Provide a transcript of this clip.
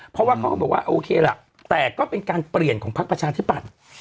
เพราะว่าเขาก็บอกว่าโอเคล่ะแต่ก็เป็นการเปลี่ยนของพักประชาธิปัตย์